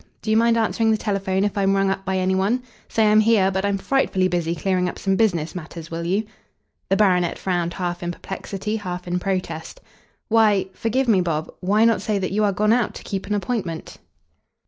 Do you mind answering the telephone if I'm rung up by any one? Say I'm here, but I'm frightfully busy clearing up some business matters, will you?" The baronet frowned half in perplexity, half in protest. "Why forgive me, Bob why not say that you are gone out to keep an appointment?"